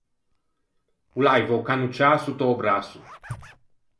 O l’aiva o cannocciâ sott’a-o brasso.